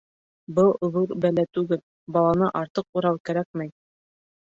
Был ҙур бәлә түгел, баланы артыҡ урау кәрәкмәй.